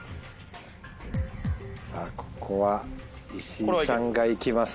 さぁここは石井さんがいきます。